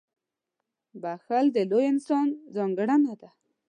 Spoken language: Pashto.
• بښل د لوی انسان ځانګړنه ده.